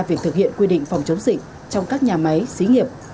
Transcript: việc thực hiện quy định phòng chống dịch trong các nhà máy xí nghiệp